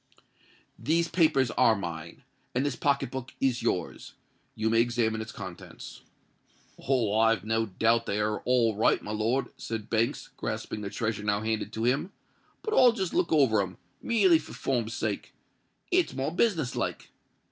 "These papers are mine; and this pocket book is yours. You may examine its contents." "Oh! I've no doubt they're all right, my lord," said Banks, grasping the treasure now handed to him; "but I'll just look over 'em—merely for form's sake. It's more business like.